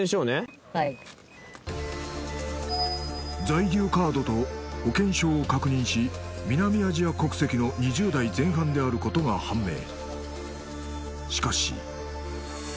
在留カードと保険証を確認し南アジア国籍の２０代前半であることが判明